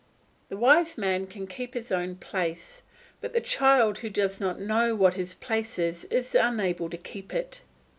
The wise man can keep his own place; but the child who does not know what his place is, is unable to keep it.